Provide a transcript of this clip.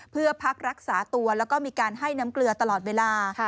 เพื่อพักรักษาตัวแล้วก็มีการให้น้ำเกลือตลอดเวลา